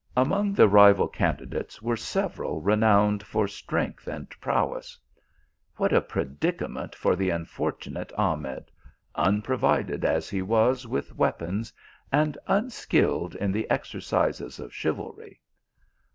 Among the rival candidates, were several renowned for strength and prowess. What a predicament for the unfortunate Ahmed, unorovided as he was vvith weapons, and unskilled in the exercises of chivalry.